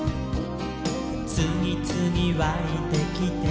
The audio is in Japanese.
「つぎつぎわいてきて」